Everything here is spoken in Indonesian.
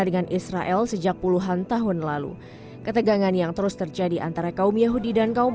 dengan israel sejak puluhan tahun lalu ketegangan yang terus terjadi antara kaum yahudi dan kaum